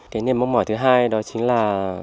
cái niềm mong mỏi thứ hai đó chính là